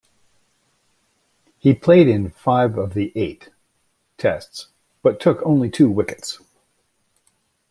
He played in five of the eight Tests but took only two wickets.